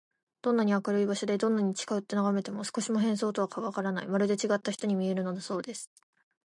どんなに明るい場所で、どんなに近よってながめても、少しも変装とはわからない、まるでちがった人に見えるのだそうです。